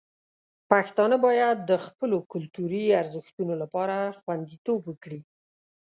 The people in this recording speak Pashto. پښتانه باید د خپلو کلتوري ارزښتونو لپاره خوندیتوب وکړي.